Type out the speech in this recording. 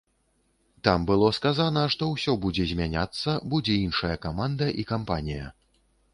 Там было сказана, што ўсё будзе змяняцца, будзе іншая каманда і кампанія.